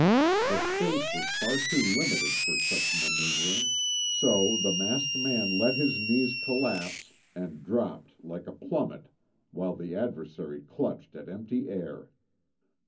The space was far too limited for such maneuvering, so the masked man let his knees collapse and dropped like a plummet while the adversary clutched at empty air.